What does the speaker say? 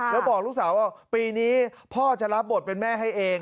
แล้วบอกลูกสาวว่าปีนี้พ่อจะรับบทเป็นแม่ให้เอง